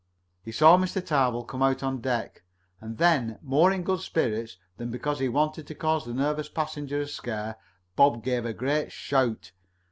He saw Mr. Tarbill come out on deck, and then, more in good spirits than because he wanted, to cause the nervous passenger a scare, Bob gave a great shout.